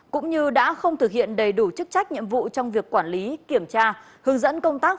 cũng như đã không thực hiện đầy đủ chức trách nhiệm vụ trong việc quản lý kiểm tra hướng dẫn công tác